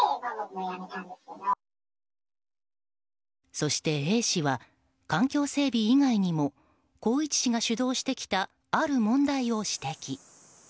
そして、Ａ氏は環境整備以外にも宏一氏が主導してきたある問題を指摘。